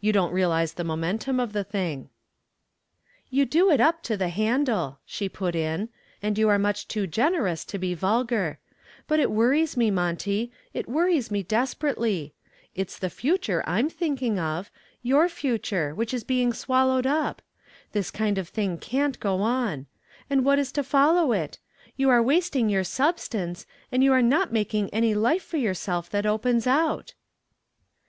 You don't realize the momentum of the thing." "You do it up to the handle," she put in. "And you are much too generous to be vulgar. But it worries me, Monty, it worries me desperately. It's the future I'm thinking of your future, which is being swallowed up. This kind of thing can't go on. And what is to follow it? You are wasting your substance, and you are not making any life for yourself that opens out."